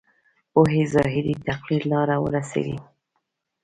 پوهې ظاهري تقلید لاره ورسوي.